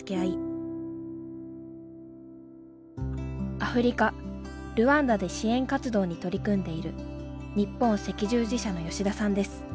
アフリカルワンダで支援活動に取り組んでいる日本赤十字社の吉田さんです。